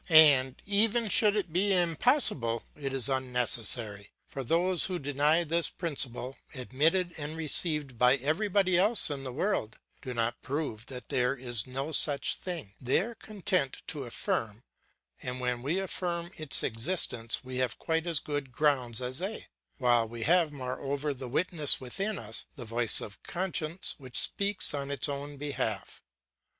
And even should it be impossible, it is unnecessary; for those who deny this principle, admitted and received by everybody else in the world, do not prove that there is no such thing; they are content to affirm, and when we affirm its existence we have quite as good grounds as they, while we have moreover the witness within us, the voice of conscience, which speaks on its own behalf.